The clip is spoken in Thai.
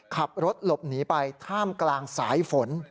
ขับรถหลบหนีไปท่ามกลางสายฝน